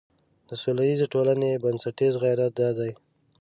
د سولیزې ټولنې بنسټیز غیرت دا دی.